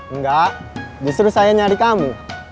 enggak justru saya nyari kamu